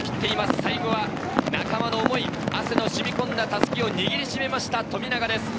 最後は仲間の思い、汗のしみこんだ襷を握り締めました冨永です。